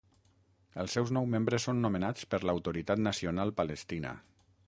Els seus nou membres són nomenats per l'Autoritat Nacional Palestina.